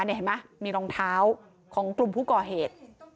เห็นไหมมีรองเท้าของกลุ่มผู้ก่อเหตุ